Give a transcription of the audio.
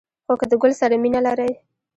خو که د گل سره مینه لرئ